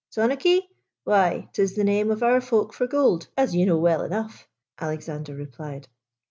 " Sonnakie ? Why, 't is the name of our folk for gold, as you know well enough," Alexander replied.